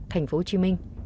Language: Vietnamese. thành phố hồ chí minh